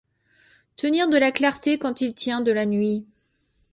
Tenir de la clarté quand il tient de la nuit !